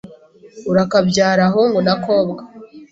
urakabyara hungu na kobwa,